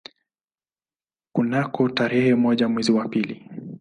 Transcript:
Kunako tarehe moja mwezi wa pili